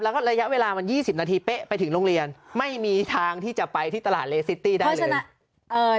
แล้วก็ระยะเวลามัน๒๐นาทีเป๊ะไปถึงโรงเรียนไม่มีทางที่จะไปที่ตลาดเลซิตี้ได้เลย